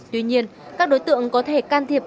tuy nhiên các đối tượng có thể can thiệp